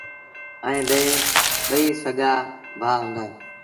ائيٚݩ ٻئيٚ سڳآ ڀآ هُݩدآ۔